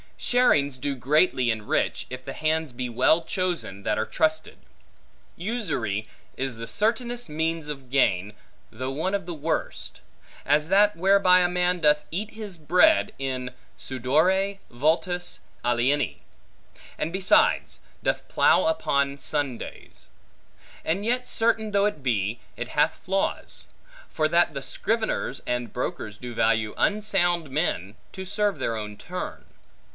Sharings do greatly enrich, if the hands be well chosen, that are trusted. Usury is the certainest means of gain, though one of the worst; as that whereby a man doth eat his bread, in sudore vultus alieni; and besides, doth plough upon Sundays. But yet certain though it be, it hath flaws; for that the scriveners and brokers do value unsound men, to serve their own turn.